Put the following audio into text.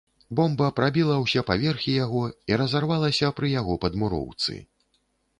Бомба прабіла ўсе паверхі яго і разарвалася пры яго падмуроўцы.